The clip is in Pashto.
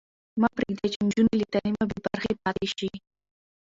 مه پرېږدئ چې نجونې له تعلیمه بې برخې پاتې شي.